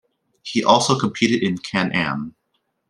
He also competed in Can-Am.